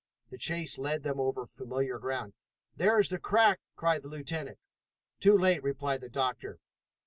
The chase led them over familiar ground. "There is the crack!" cried the lieutenant. "Too late!" replied the doctor.